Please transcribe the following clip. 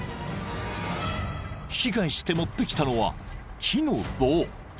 ［引き返して持ってきたのは木の棒］